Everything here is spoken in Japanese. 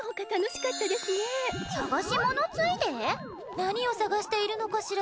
何を捜しているのかしら？